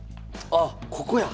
あっここや！